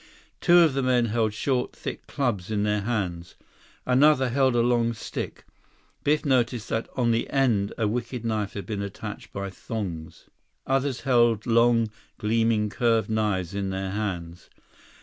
Two of the men held short, thick clubs in their hands. Another held a long stick. Biff noticed that on the end a wicked knife had been attached by thongs. Others held long, gleaming curved knives in their hands.